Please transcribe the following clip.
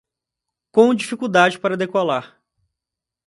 Com dificuldade para decolar